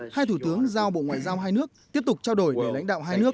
hai thủ tướng giao bộ ngoại giao hai nước tiếp tục trao đổi để lãnh đạo hai nước